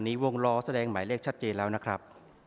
วงล้อแสดงหมายเลขชัดเจนแล้วนะครับ